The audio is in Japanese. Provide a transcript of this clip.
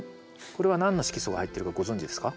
これは何の色素が入ってるかご存じですか？